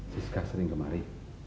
siska sering kemari